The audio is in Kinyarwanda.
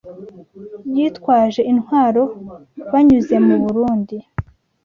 yitwaje intwaro banyuze mu Burundi